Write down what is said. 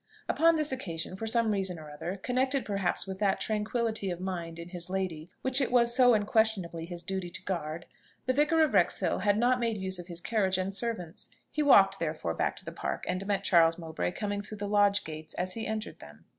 Upon this occasion, for some reason or other, connected perhaps with that tranquillity of mind in his lady which it was so unquestionably his duty to guard, the Vicar of Wrexhill had not made use of his carriage and servants. He walked therefore back to the Park, and met Charles Mowbray coming through the lodge gates, as he entered them.